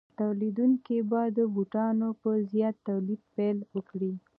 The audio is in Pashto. تولیدونکي به د بوټانو په زیات تولید پیل وکړي